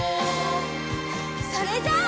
それじゃあ。